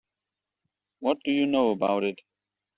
What do you know about it?